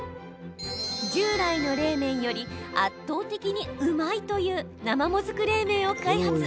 従来の冷麺より、圧倒的にうまいという生もずく冷麺を開発。